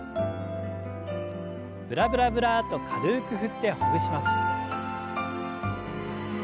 ブラブラブラッと軽く振ってほぐします。